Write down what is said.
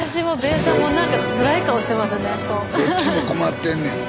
スタジオどっちも困ってんねん。